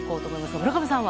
村上さんは？